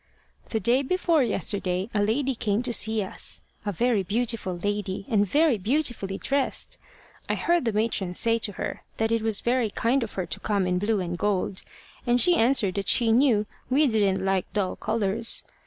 "The day before yesterday, a lady came to see us a very beautiful lady, and very beautifully dressed. I heard the matron say to her that it was very kind of her to come in blue and gold; and she answered that she knew we didn't like dull colours.